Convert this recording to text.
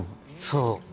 そう。